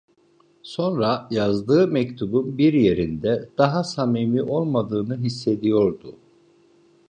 Sonra, yazdığı mektubun bir yerinde daha samimi olmadığını hissediyordu.